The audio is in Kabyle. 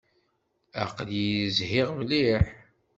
Aql-iyi zhiɣ mliḥ.